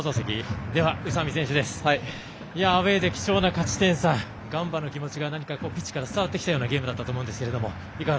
アウェーで貴重な勝ち点３ガンバの気持ちがピッチから伝わってくるようなゲームでした。